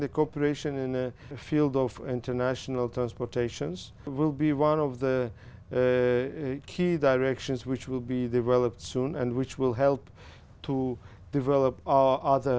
còn những người thân nhau việt anh thích không